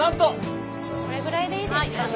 これぐらいでいいですかね？